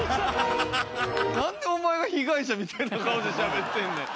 何でお前が被害者みたいな顔でしゃべってんねん。